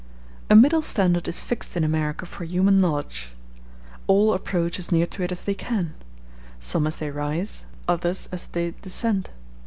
A middle standard is fixed in America for human knowledge. All approach as near to it as they can; some as they rise, others as they descend.